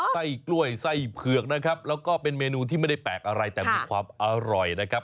ไส้กล้วยไส้เผือกนะครับแล้วก็เป็นเมนูที่ไม่ได้แปลกอะไรแต่มีความอร่อยนะครับ